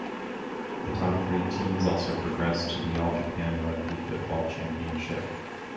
The top three teams also progressed to the All-Japan Rugby Football Championship.